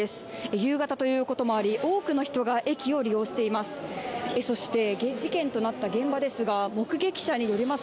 夕方ということもあり多くの人が駅を利用しています。